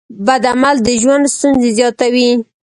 بد عمل د ژوند ستونزې زیاتوي.